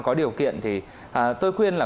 có điều kiện thì tôi khuyên là